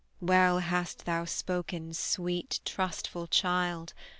"Well hast thou spoken, sweet, trustful child!